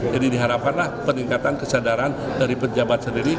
jadi diharapkanlah peningkatan kesadaran dari penjabat sendiri